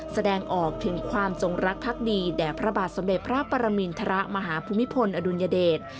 แสดงออกถึงความจงรักภักดีแด่พระบาทสมเด็จพระปรมินทรมาฮภูมิพลอดุลยเดช